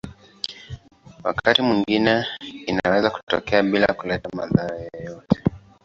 Wakati mwingine inaweza kutokea bila kuleta madhara yoyote.